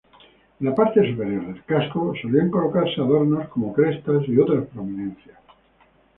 En la parte superior del casco solían colocarse adornos como crestas y otras prominencias.